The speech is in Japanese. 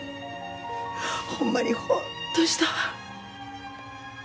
ほんまにほっとしたわ。